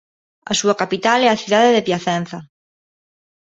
A súa capital é a cidade de Piacenza.